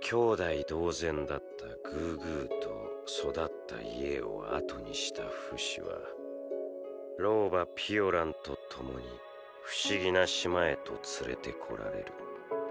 兄弟同然だったグーグーと育った家をあとにしたフシは老婆ピオランとともに不思議な島へと連れてこられる。